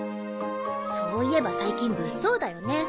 そういえば最近物騒だよね。